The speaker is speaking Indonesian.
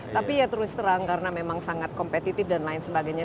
tapi ya terus terang karena memang sangat kompetitif dan lain sebagainya